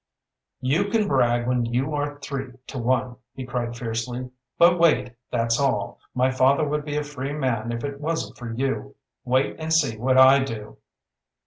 "You can brag when you are three to one," he cried fiercely. "But wait, that's all. My father would be a free man if it wasn't for you. Wait, and see what I do!"